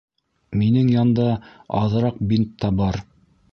Минең янда аҙыраҡ бинт та бар.